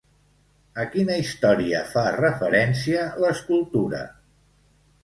A quina història fa referència l'escultura?